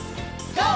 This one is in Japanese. ＧＯ！